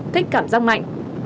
thích cảm giác mạnh